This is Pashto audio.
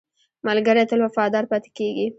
ملګری تل وفادار پاتې کېږي